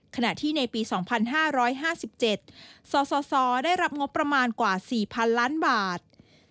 ขณะที่ในปี๒๕๕๗สสได้รับงบประมาณกว่า๔๐๐๐ล้านบาท